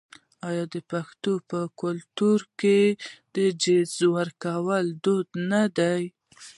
آیا د پښتنو په کلتور کې د جهیز ورکول دود نه دی؟